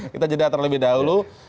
kita jeda terlebih dahulu